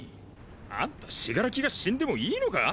あんた死柄木が死んでもいいのか？